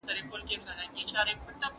شاه شجاع ته د کال معاش منظور شو.